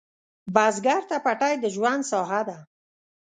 بزګر ته پټی د ژوند ساحه ده